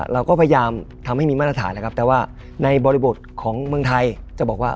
เราก็พยายามทำให้มีมาตรฐานแล้วครับแต่ว่าในบริบทของเมืองไทยจะบอกว่า